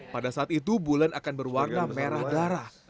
pada saat itu bulan akan berwarna merah darah